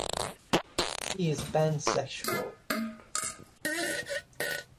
He is pansexual.